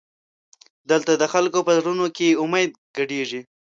دلته د خلکو په زړونو کې امید ګډېږي.